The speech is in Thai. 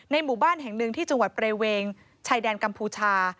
หมู่บ้านแห่งหนึ่งที่จังหวัดเปรเวงชายแดนกัมพูชา